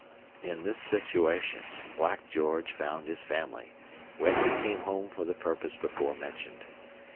In this situation Black George found his family, when he came home for the purpose before mentioned.